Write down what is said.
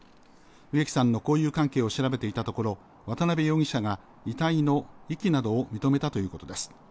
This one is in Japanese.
植木さんの交友関係を調べていたところ渡部容疑者が遺体の遺棄などを認めたということです。